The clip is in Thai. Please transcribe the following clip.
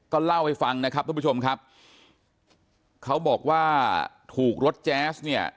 ก็เล่าให้ฟังนะครับทุกผู้ชมครับเขาบอกว่าถูกรถแจ๊สเนี่ย